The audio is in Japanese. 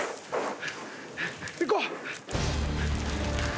行こう。